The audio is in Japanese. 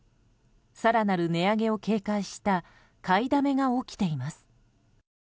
更なる値上げを警戒した買いだめが起きています。